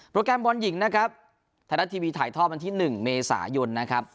แกรมบอลหญิงนะครับไทยรัฐทีวีถ่ายทอดวันที่๑เมษายนนะครับ